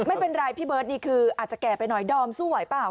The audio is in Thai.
ไม่เป็นไรพี่เบิร์ตนี่คืออาจจะแก่ไปหน่อยดอมสู้ไหวเปล่า